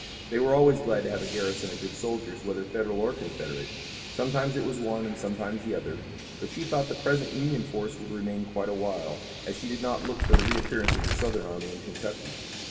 They were always glad to have a garrison of good soldiers whether Federal or Confederate sometimes it was one and sometimes the other. But she thought the present Union force would remain quite a while, as she did not look for the reappearance of the Southern army in Kentucky.